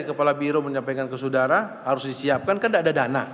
kepala biro menyampaikan ke saudara harus disiapkan kan tidak ada dana